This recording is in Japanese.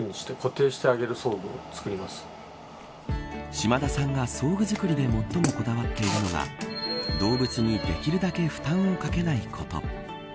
島田さんが装具作りで最もこだわっているのが動物にできるだけ負担をかけないこと。